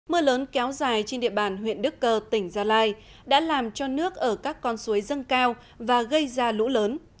mưa lớn kéo dài trên địa bàn huyện đức cơ tỉnh gia lai đã làm cho nước ở các con suối dâng cao và gây ra lũ lớn